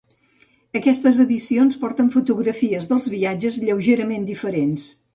Aquestes edicions porten fotografies dels viatges lleugerament diferents.